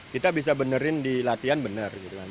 kita bisa benerin di latihan benar gitu kan